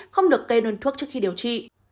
không được kê nôn thuốc trước khi điều trị